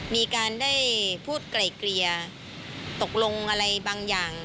มีการได้พูดไกล่เกลี่ยตกลงอะไรบางอย่าง